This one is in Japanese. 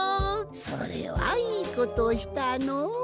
それはいいことをしたのう。